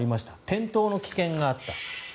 転倒の危険があった。